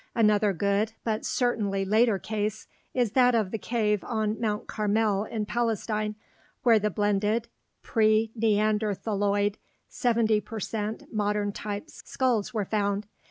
Another good, but certainly later case is that of the cave on Mount Carmel in Palestine, where the blended pre neanderthaloid, 70 per cent modern type skulls were found.